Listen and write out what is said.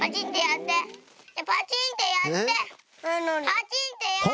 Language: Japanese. パチンってやって！